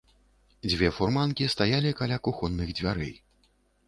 Дзве фурманкі стаялі каля кухонных дзвярэй.